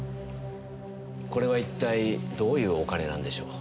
これは一体どういうお金なんでしょう？